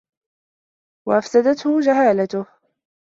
وَأَفْسَدَتْهُ جَهَالَتُهُ